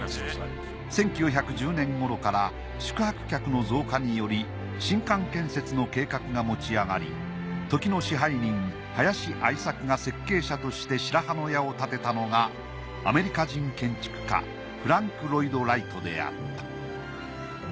１９１０年頃から宿泊客の増加により新館建設の計画が持ち上がり時の支配人林愛作が設計者として白羽の矢を立てたのがアメリカ人建築家フランク・ロイド・ライトであった。